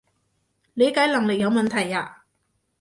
理解能力有問題呀？